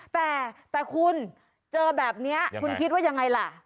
แต่คุณเจอแบบนี้คุณคิดว่ายังไงล่ะ